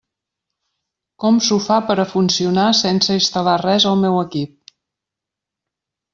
Com s'ho fa per a funcionar sense instal·lar res al meu equip?